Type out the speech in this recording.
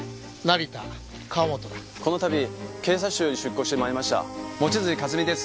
この度警察庁より出向して参りました望月克己です。